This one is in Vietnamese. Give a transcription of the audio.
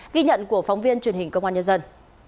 ghi nhận của phóng viên truyền hình công an nhân dân